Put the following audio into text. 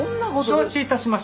承知致しました。